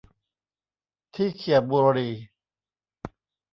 ที่เขี่ยบุหรี่